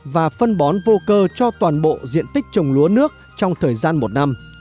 và phân bón vô cơ cho toàn bộ diện tích trồng lúa nước trong thời gian một năm